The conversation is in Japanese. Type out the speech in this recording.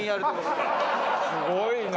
すごいな。